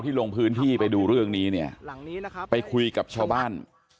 ที่โรงพื้นที่ไปดูเรื่องนี้ไปคุยกับชาวบ้าน